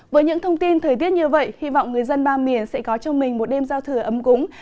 với những thông tin thời tiết như vậy hy vọng người dân ba miền sẽ có cho mình một đêm giao thừa ấm cúng